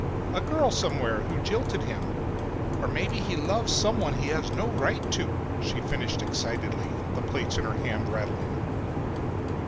A girl somewhere who jilted him? Or maybe he loves someone he has no right to!" she finished excitedly, the plates in her hand rattling.